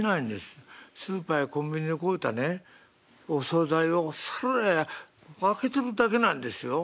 スーパーやコンビニで買うたねお総菜を皿へこうあけてるだけなんですよ」。